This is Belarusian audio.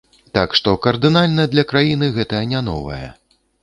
Так што кардынальна для краіны гэта не новае.